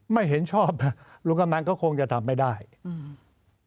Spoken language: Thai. ไม่เห็นชอบอ่ะลุงกำนันก็คงจะทำไม่ได้อืม